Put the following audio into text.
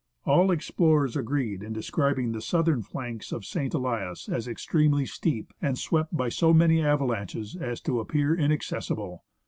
All explorers agree in describing the southern flanks of St. Elias as extremely steep, and swept by so many avalanches as to appear inaccessible.